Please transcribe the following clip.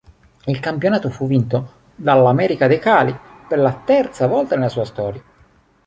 Il campionato fu vinto dall'América de Cali per la terza volta nella sua storia.